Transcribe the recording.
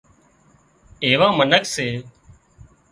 ايوان منک سي